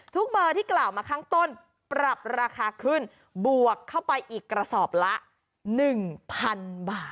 ทุกเบอร์ที่กล่าวมาครั้งต้นปรับราคาขึ้นบวกเข้าไปอีกกระสอบละหนึ่งพันบาท